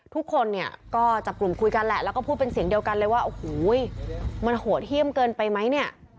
ทุกคนเนี่ยก็จับกลุ่มคุยกันแหละแล้วก็พูดเป็นเสียงเดียวกันเลยว่าโอ้โหมันโหดเยี่ยมเกินไปไหมเนี่ย